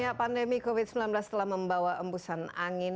ya pandemi covid sembilan belas telah membawa embusan angin